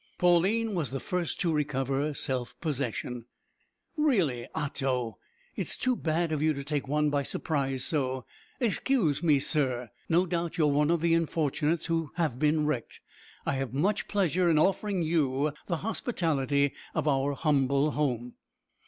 Pauline was the first to recover self possession. "Really, Otto, it is too bad of you to take one by surprise so. Excuse me, sir, no doubt you are one of the unfortunates who have been wrecked. I have much pleasure in offering you the hospitality of our humble home!"